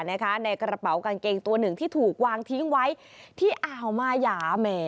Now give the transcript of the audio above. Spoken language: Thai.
ในกระเป๋ากางเกงตัวหนึ่งที่ถูกวางทิ้งไว้ที่อ่าวมายาแหม